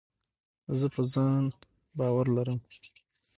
زه په ځان باور لرم.